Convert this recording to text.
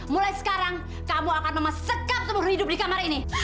mulai sekarang kamu akan sekat seumur hidup di kamar ini